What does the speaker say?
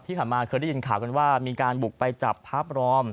ที่ผ่านมาเคยได้ยินข่าวกันว่ามีการบุกไปจับพระบรอม